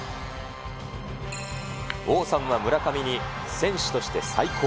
王さんは村上に、選手として最高。